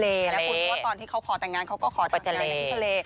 และหลายคนพิมพ์ว่าตอนที่เขาขอต่างานเขาก็ขอต่างานอยู่ที่ทะเล